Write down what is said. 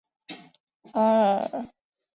圆叶平灰藓为柳叶藓科平灰藓属下的一个种。